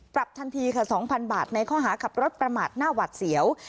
ทันทีค่ะ๒๐๐๐บาทในข้อหาขับรถประมาทหน้าหวัดเสียว